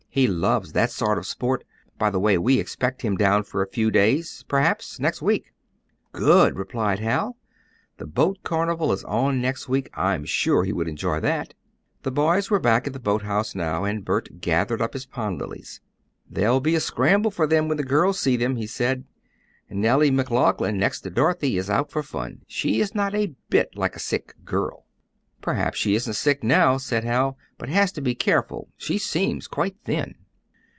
He loves that sort of sport. By the way, we expect him down for a few days; perhaps next week." "Good!" cried Hal. "The boat carnival is on next week. I'm sure he would enjoy that." The boys were back at the boathouse now, and Bert gathered up his pond lilies. "There'll be a scramble for them when the girls see them," he said. "Nellie McLaughlin, next to Dorothy, is out for fun. She is not a bit like a sick girl." "Perhaps she isn't sick now," said Hal, "but has to be careful. She seems quite thin."